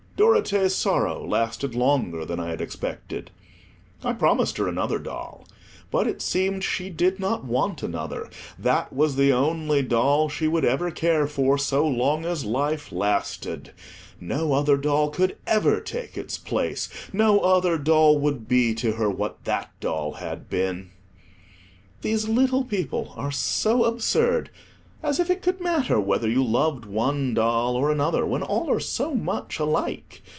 Dorothea's sorrow lasted longer than I had expected. I promised her another doll. But it seemed she did not want another; that was the only doll she would ever care for so long as life lasted; no other doll could ever take its place; no other doll would be to her what that doll had been. These little people are so absurd: as if it could matter whether you loved one doll or another, when all are so much alike!